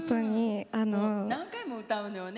何回も歌うのよね。